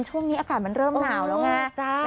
ช่วงนี้อากาศมันเริ่มหนาวแล้วไง